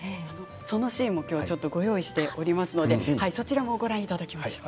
そのシーンも今日ちょっとご用意しておりますのでそちらもご覧いただきましょう。